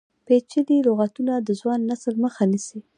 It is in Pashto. پیچلي لغتونه د ځوان نسل مخه نیسي.